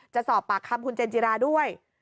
จะสอบปากคำคุณเจนจิราด้วย